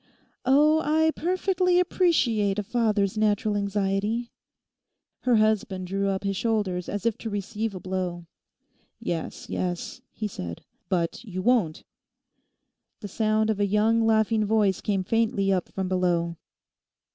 'Oh, I perfectly appreciate a father's natural anxiety.' Her husband drew up his shoulders as if to receive a blow. 'Yes, yes,' he said, 'but you won't?' The sound of a young laughing voice came faintly up from below.